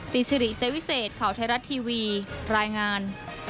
ซิริเซวิเศษข่าวไทยรัฐทีวีรายงาน